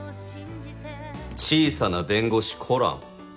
『小さな弁護士コラン』。